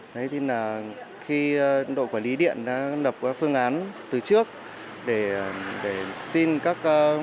đấy thì là khi đội quản lý điện đã lập phương án từ trước để xin các